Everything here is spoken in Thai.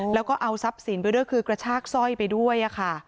แล้วก็เอาซับศีลไปด้วยคือกระชากสร้อยไปด้วย